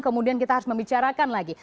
kemudian kita harus membicarakan lagi